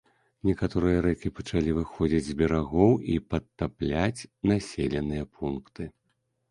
Некаторыя рэкі пачалі выходзіць з берагоў і падтапляць населеныя пункты.